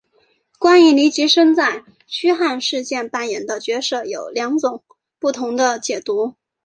关于黎吉生在驱汉事件扮演的角色有两种不同解读。